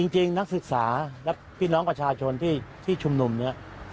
จริงนักศึกษาพี่น้องกับชาชนที่ชุมหนุมนี่